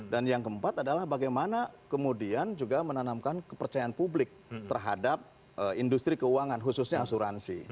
dan yang keempat adalah bagaimana kemudian juga menanamkan kepercayaan publik terhadap industri keuangan khususnya asuransi